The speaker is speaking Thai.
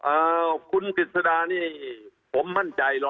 เอ่อคุณกฤษฎานี่ผมมั่นใจหรอ